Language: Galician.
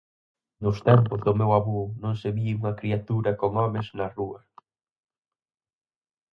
Nos tempos do meu avó non se vía unha criatura con homes na rúa.